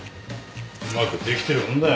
うまくできてるもんだよ